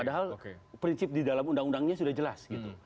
padahal prinsip di dalam undang undangnya sudah jelas gitu